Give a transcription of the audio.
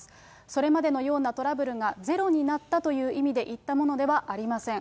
それまでのようなトラブルがゼロになったという意味で言ったものではありません。